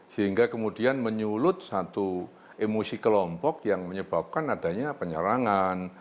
sehingga kemudian menyulut satu emosi kelompok yang menyebabkan adanya penyerangan